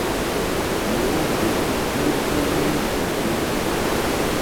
Mǒhwò móhwí líhwùmbú.